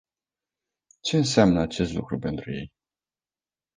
Ce înseamnă acest lucru pentru ei?